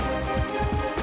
pampul ya bisa